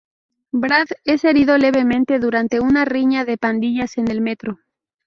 Brad es herido levemente durante una riña de pandillas en el metro.